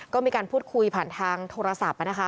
ก็มีการพูดคุยผ่านทางโทรศัพท์นะคะ